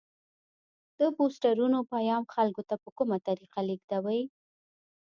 د پوسټرونو پیام خلکو ته په کومه طریقه لیږدوي؟